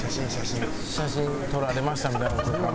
写真撮られましたみたいな事かな？